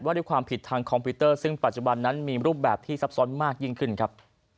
ด้วยความผิดทางคอมพิวเตอร์ซึ่งปัจจุบันนั้นมีรูปแบบที่ซับซ้อนมากยิ่งขึ้นครับ